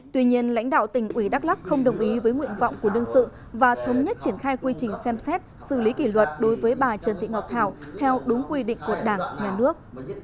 tuy nhiên lãnh đạo tỉnh ủy đắk lắc không đồng ý với nguyện vọng của đương sự và thống nhất triển khai quy trình xem xét xử lý kỷ luật đối với bà trần thị ngọc thảo theo đúng quy định của đảng nhà nước